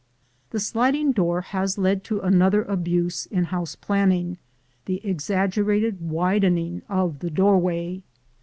The sliding door has led to another abuse in house planning: the exaggerated widening of the doorway.